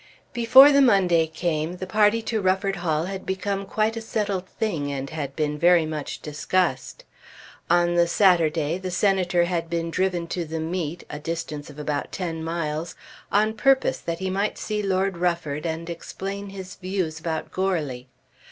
Before the Monday came the party to Rufford Hall had become quite a settled thing and had been very much discussed. On the Saturday the Senator had been driven to the meet, a distance of about ten miles, on purpose that he might see Lord Rufford and explain his views about Goarly.